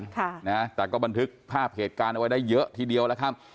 ค่ะนะแต่ก็บันทึกภาพเหตุการณ์เอาไว้ได้เยอะทีเดียวแล้วครับ